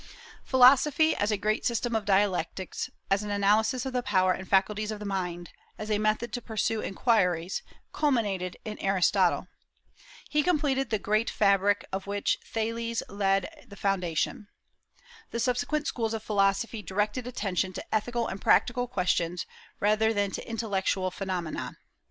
Philosophy, as a great system of dialectics, as an analysis of the power and faculties of the mind, as a method to pursue inquiries, culminated in Aristotle. He completed the great fabric of which Thales laid the foundation. The subsequent schools of philosophy directed attention to ethical and practical questions, rather than to intellectual phenomena.